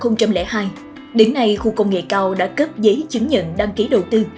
năm hai nghìn hai đến nay khu công nghệ cao đã cấp giấy chứng nhận đăng ký đầu tư